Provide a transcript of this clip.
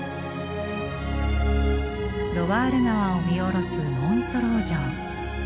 ロワール川を見下ろすモンソロー城。